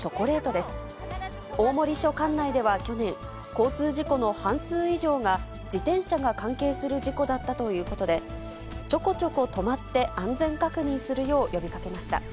管内では去年、交通事故の半数以上が、自転車が関係する事故だったということで、チョコチョコ止まって安全確認するよう呼びかけました。